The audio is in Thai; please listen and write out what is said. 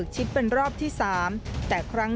สุดท้าย